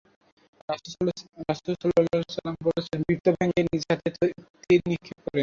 রাসূল সাল্লাল্লাহু আলাইহি ওয়াসাল্লাম বৃত্ত ভেঙ্গে নিজ হাতে তীর নিক্ষেপ করেন।